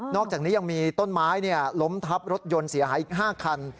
อกจากนี้ยังมีต้นไม้ล้มทับรถยนต์เสียหายอีก๕คัน